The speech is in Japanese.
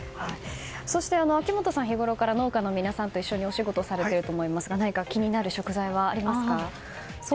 そして秋元さん日ごろから農家の皆さんと一緒にお仕事されていると思いますが何か気になる食材はありますか？